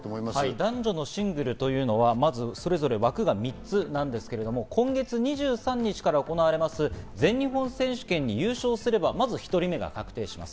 男女のシングルというのは、まずそれぞれ枠が３つなんですが、今月２３日から行われます全日本選手権に優勝すれば、まず１人目が確定します。